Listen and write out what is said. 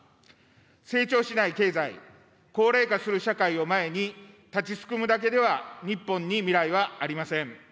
成長しない経済、高齢化する社会を前に、立ちすくむだけでは日本に未来はありません。